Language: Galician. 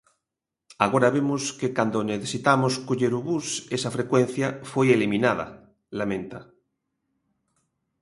"Agora vemos que cando necesitamos coller o bus esa frecuencia foi eliminada", lamenta.